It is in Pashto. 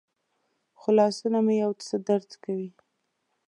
خو لاسونه مې یو څه درد کوي.